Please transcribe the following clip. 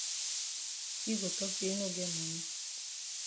Yi go tok say yi no get moni.